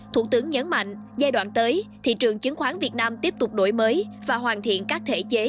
thủ tướng nhấn mạnh giai đoạn tới thị trường chứng khoán việt nam tiếp tục đổi mới và hoàn thiện các thể chế